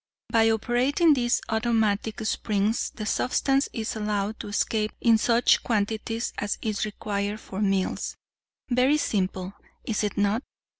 By operating these automatic springs the substance is allowed to escape in such quantities as is required for meals. Very simple, is it not?